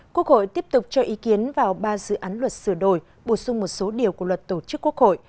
quốc hội tiếp tục cho ý kiến vào ba dự án luật sửa đổi bổ sung một số điều của luật tổ chức quốc hội